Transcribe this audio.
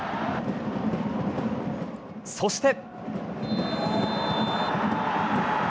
そして。